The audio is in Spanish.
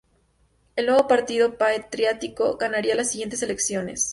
El Nuevo Partido Patriótico ganaría las siguientes elecciones.